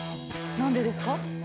何でですか？